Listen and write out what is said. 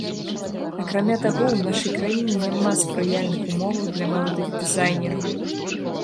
Акрамя таго, у нашай краіне няма спрыяльных умоваў для маладых дызайнераў.